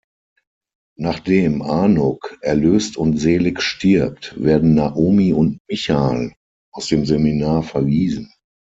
Nachdem Anouk erlöst und selig stirbt, werden Naomi und Michal aus dem Seminar verwiesen.